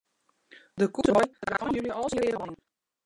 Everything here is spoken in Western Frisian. De koetsebei draacht ein july al syn reade beien.